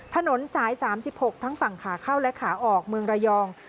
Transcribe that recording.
ถนนสาย๓๖ทั้งฝั่งขาเข้าและขาออกเมืองระยอง